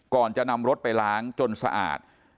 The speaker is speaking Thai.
ก่อนจะนำรถไปล้างจนสะอาด